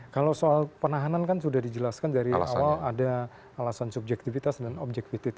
kalau soal penahanan kan sudah dijelaskan dari awal ada alasan subjektivitas dan objektif